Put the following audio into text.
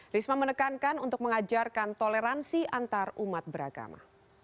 risma menekankan untuk mengajarkan toleransi antar umat beragama